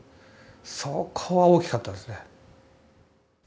そこは大きかったですね。